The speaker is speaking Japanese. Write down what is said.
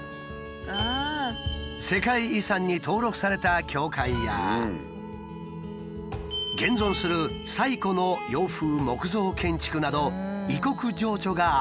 世界遺産に登録された教会や現存する最古の洋風木造建築など異国情緒があふれる町だ。